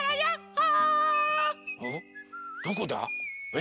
え？